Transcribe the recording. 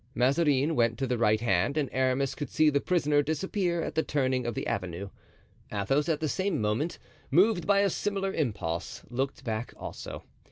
Mazarin went to the right hand and Aramis could see the prisoner disappear at the turning of the avenue. Athos, at the same moment, moved by a similar impulse, looked back also.